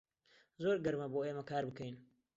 زۆر گەرمە بۆ ئێمە کار بکەین.